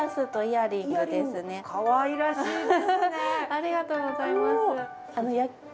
ありがとうございます！